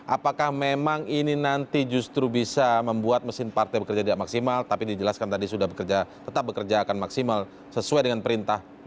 apakah memang ini nanti justru bisa membuat mesin partai bekerja tidak maksimal tapi dijelaskan tadi sudah bekerja tetap bekerja akan maksimal sesuai dengan perintah